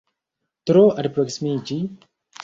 Tro alproksimiĝi?